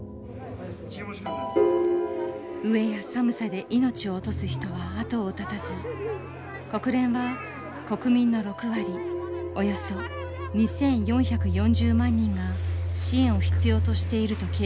飢えや寒さで命を落とす人は後を絶たず国連は国民の６割およそ２，４４０万人が支援を必要としていると警告。